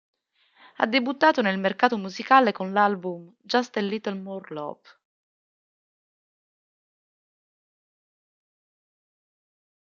Ha debuttato nel mercato musicale con l'album "Just a Little More Love".